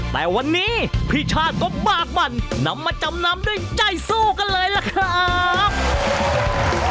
แต่วันนี้พี่ชาติก็บากมันนำมาจำนำด้วยใจสู้กันเลยล่ะครับ